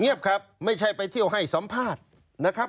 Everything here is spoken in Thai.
ครับไม่ใช่ไปเที่ยวให้สัมภาษณ์นะครับ